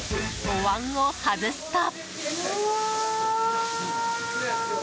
おわんを外すと。